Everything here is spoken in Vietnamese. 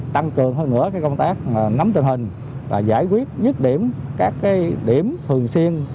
tăng cường hơn nữa công tác nắm tình hình và giải quyết nhất điểm các điểm thường xuyên